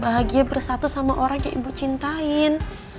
bahagia bersatu sama orang yang ibu cintain